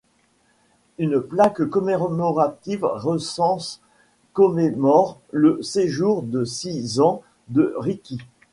Une plaque commémorative récente commémore le séjour de six ans de Ricci.